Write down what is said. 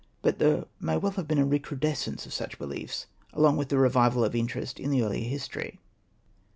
But there may well have been a recrudescence of such beliefs, along with the revival of interest in the earlier history.